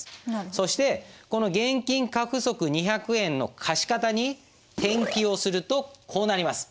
そしてこの現金過不足２００円の貸方に転記をするとこうなります。